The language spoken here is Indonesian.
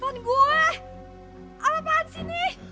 handphone gue apaan sih ini